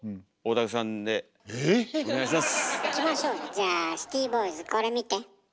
じゃあシティボーイズこれ見て。